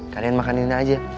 kalian makan ini aja